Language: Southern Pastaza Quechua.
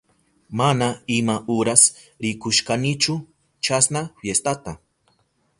Mana ima uras rikushkanichu chasna fiestata.